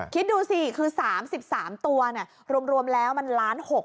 คิดดูสิคือ๓๓ตัวรวมแล้วมันล้าน๖๐๐